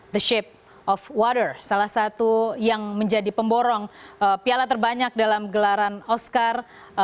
the shape of water salah satu yang menjadi pemborong piala terbanyak dalam gelaran oscar dua ribu delapan belas